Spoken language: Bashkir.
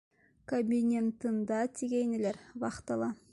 Кабинетында тигәйнеләр вахтала.